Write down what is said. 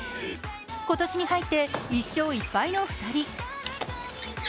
今年に入って１勝１敗の２人。